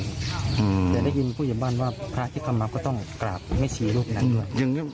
เดี๋ยวได้ยินผู้หญิงบ้านว่าพระที่กำลังก็ต้องกราบแม่ชีรูปนั้นด้วย